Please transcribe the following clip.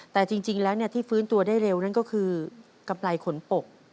แต่จริงแล้วที่ฟื้นตัวได้เร็วนั่นก็คือกำไรขนปก